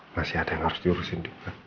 masih ada yang harus diurusin juga